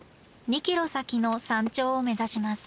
２ｋｍ先の山頂を目指します。